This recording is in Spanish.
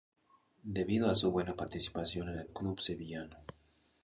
Debido a su buena participación en el club sevillano.